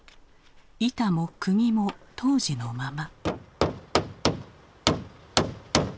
板も釘も当時のまま。